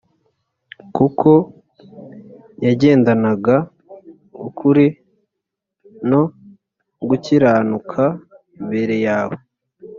kuko yagendanaga ukuri no gukiranuka imbere yawe,